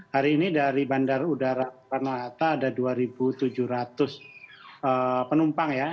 hari ini dari bandar udara penelata ada dua tujuh ratus penumpang ya